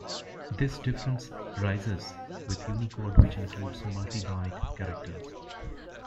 This difference arises with Unicode which includes multi-byte characters.